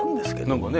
何かね